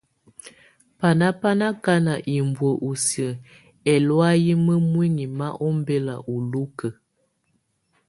Bana bá nɔ̀ akana hibuǝ́ ù siǝ́ ɛlɔ̀áyɛ mǝmuinyii ma ɔmbɛla ù ulukǝ.